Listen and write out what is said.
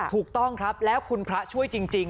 ถูกต้องครับแล้วคุณพระช่วยจริง